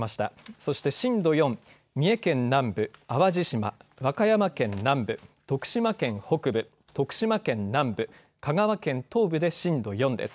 そして震度４、三重県南部、淡路島、和歌山県南部、徳島県北部、徳島県南部、香川県東部で震度４です。